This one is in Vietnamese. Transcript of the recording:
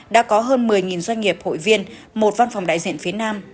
đã có hơn một mươi doanh nghiệp hội viên một văn phòng đại diện phía nam